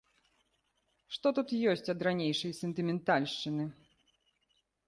Што тут ёсць ад ранейшай сентыментальшчыны?